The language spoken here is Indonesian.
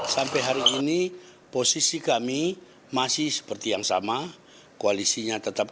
sampai hari ini posisi kami masih seperti yang sama koalisinya tetap